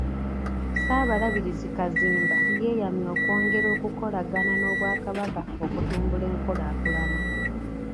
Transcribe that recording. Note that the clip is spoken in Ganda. Ssaabalabirizi Kazimba yeeyamye okwongera okukolagana n’Obwakabaka okutumbula enkulaakulana.